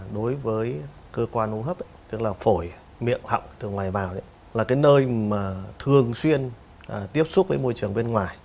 đối với cơ quan hô hấp tức là phổi miệng họng từ ngoài vào là nơi thường xuyên tiếp xúc với môi trường bên ngoài